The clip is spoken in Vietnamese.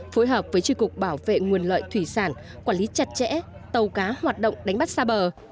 phối hợp với tri cục bảo vệ nguồn lợi thủy sản quản lý chặt chẽ tàu cá hoạt động đánh bắt xa bờ